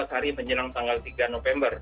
dua belas hari menjelang tanggal tiga november